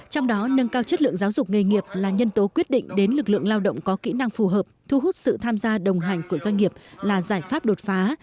trong đó nâng cao chất lượng giáo dục nghề nghiệp là nhân tố quyết định đến lực lượng lao động có kỹ năng phù hợp thu hút sự tham gia đồng hành của doanh nghiệp là giải pháp đột phá